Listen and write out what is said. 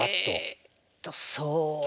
えっとそうです。